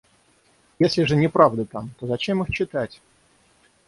Если же неправда там, то зачем их читать?